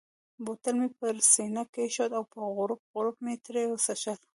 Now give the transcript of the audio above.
بوتل مې پر سینه کښېښود او په غوړپ غوړپ مې ترې څښل.